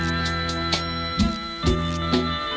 อินโทรเพลงที่๗มูลค่า๒๐๐๐๐๐บาทครับ